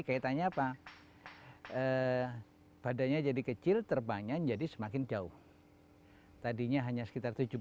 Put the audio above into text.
kaitannya apa eh badannya jadi kecil terbanyak jadi semakin jauh hai tadinya hanya sekitar tujuh puluh